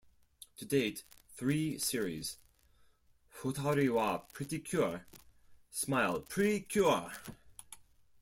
To date, three series: "Futari wa Pretty Cure", "Smile PreCure!